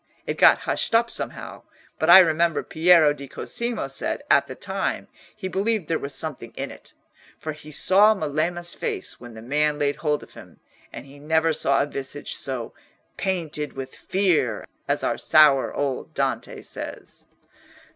"It got hushed up somehow; but I remember Piero di Cosimo said, at the time, he believed there was something in it, for he saw Melema's face when the man laid hold of him, and he never saw a visage so 'painted with fear,' as our sour old Dante says."